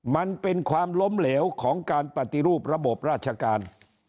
มันเป็นความล้มเหลวของการปฏิรูประบบราชการ